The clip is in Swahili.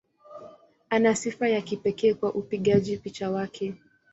Ana sifa ya kipekee kwa upigaji picha wake.